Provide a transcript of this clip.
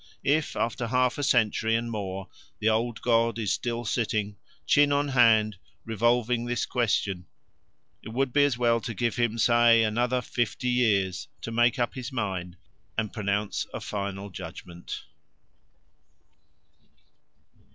If after half a century, and more, the old god is still sitting, chin on hand, revolving this question, it would be as well to give him, say, another fifty years to make up his mind and pronounce a final judgment.